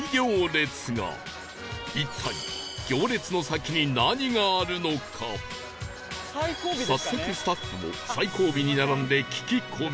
一体早速スタッフも最後尾に並んで聞き込み